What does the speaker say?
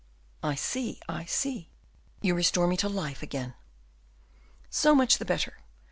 "I see, I see; you restore me to life again." "So much the better.